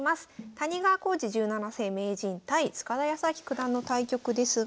谷川浩司十七世名人対塚田泰明九段の対局ですが。